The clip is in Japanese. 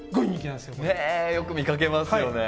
よく見かけますよね。